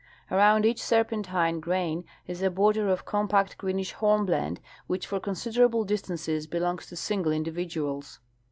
Around each serpentine grain is a border of compact greenish hornblende, which for considerable distances belongs to single individuals.